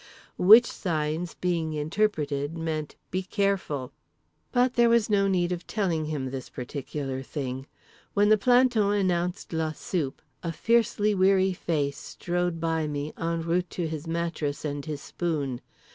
which signs, being interpreted, meant be careful! But there was no need of telling him this particular thing. When the planton announced la soupe, a fiercely weary face strode by me en route to his mattress and his spoon.